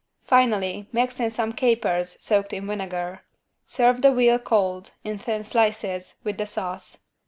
Finally mix in some capers soaked in vinegar. Serve the veal cold, in thin slices, with the sauce.